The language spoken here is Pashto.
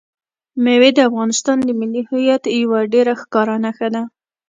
مېوې د افغانستان د ملي هویت یوه ډېره ښکاره نښه ده.